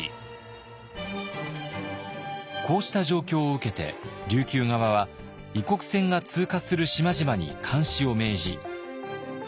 こうした状況を受けて琉球側は異国船が通過する島々に監視を命じ。